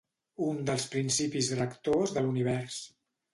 Un dels principis rectors de l'univers.